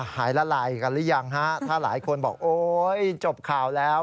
หายละลายกันหรือยังฮะถ้าหลายคนบอกโอ๊ยจบข่าวแล้ว